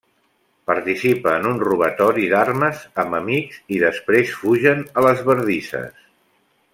Participa en un robatori d'armes amb amics i després, fugen a les bardisses.